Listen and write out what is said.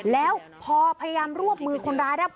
แล้วพอพยายามรวบมือคนร้ายแล้ว